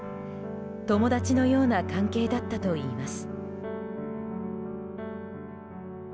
友達のような関係だったといいます。